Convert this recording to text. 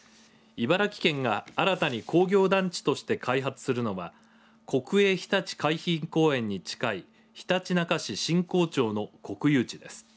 茨城県が新たに工業団地として開発するのは国営ひたち海浜公園に近いひたちなか市新光町の国有地です。